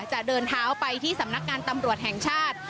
จะเดินเท้าไปที่สำนักงานตำรวจแห่งชาติ